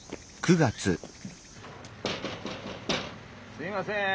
・すいません。